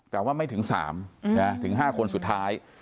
แต่ว่าไม่ถึงสามถึงห้าคนสุดท้าย